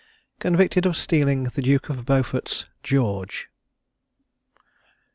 CONVICTED OF STEALING THE DUKE OF BEAUFORT'S "GEORGE."